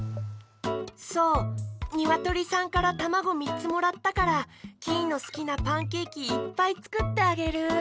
そうにわとりさんからたまごみっつもらったからキイのすきなパンケーキいっぱいつくってあげる。